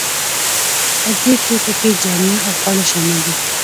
په دې توکو کې جامې او خواړه شامل دي.